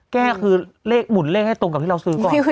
แก้คือเลขหมุนเลขให้ตรงกับที่เราซื้อก่อน